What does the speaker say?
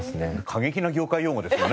過激な業界用語ですよね。